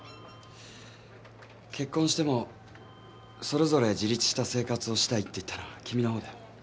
結婚してもそれぞれ自立した生活をしたいって言ったのは君の方だよ。